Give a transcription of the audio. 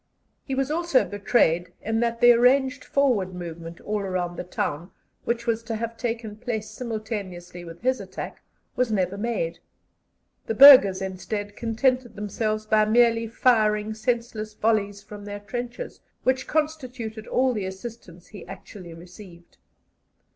He was also betrayed in that the arranged forward movement all round the town, which was to have taken place simultaneously with his attack, was never made. The burghers instead contented themselves by merely firing senseless volleys from their trenches, which constituted all the assistance he actually received.